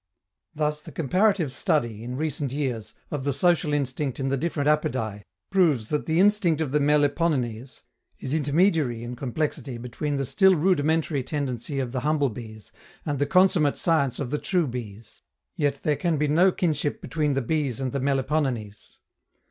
Thus, the comparative study, in recent years, of the social instinct in the different apidae proves that the instinct of the meliponines is intermediary in complexity between the still rudimentary tendency of the humble bees and the consummate science of the true bees; yet there can be no kinship between the bees and the meliponines.